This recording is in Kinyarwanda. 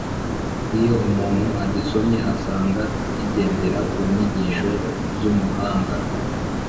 Iyo umuntu agisomye asanga kigendera ku nyigisho z’umuhanga